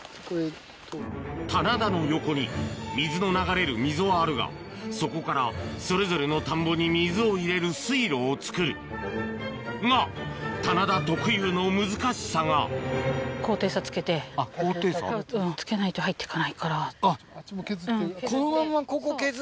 棚田の横に水の流れる溝はあるがそこからそれぞれの田んぼに水を入れる水路を作るが棚田特有の難しさがつけないと入ってかないから。